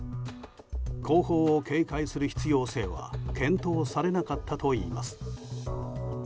後方を警戒する必要性は検討されなかったといいます。